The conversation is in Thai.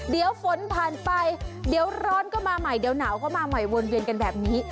เดี๋ยวฝนผ่านไปเดี๋ยวร้อนก็มาใหม่เดี๋ยวหนาวก็มาใหม่วนเวียนกันแบบนี้